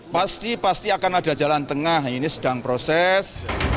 pasti pasti akan ada jalan tengah ini sedang proses